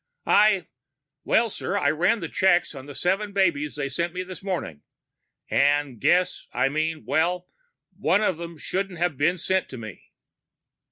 "I well, sir, I ran checks on the seven babies they sent me this morning. And guess I mean well, one of them shouldn't have been sent to me!"